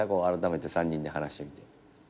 あらためて３人で話してみて。